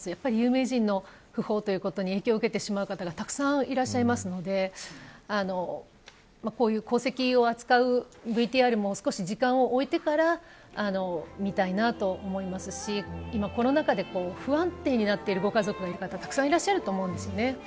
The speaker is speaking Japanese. やっぱり有名人の訃報に影響を受けてしまう方がたくさんいらっしゃるのでこういう功績を扱うＶＴＲも少し時間を置いてから見たいなと思いますし今、コロナ禍で不安定になっているご家族の方たくさんいらっしゃると思うんですね。